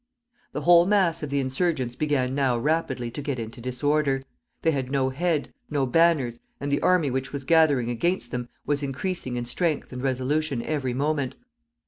The whole mass of the insurgents began now rapidly to get into disorder. They had no head, no banners, and the army which was gathering against them was increasing in strength and resolution every moment.